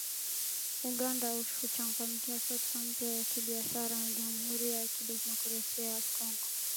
Uganda huchangamkia fursa mpya za kibiashara na Jamhuri ya Kidemokrasia ya Kongo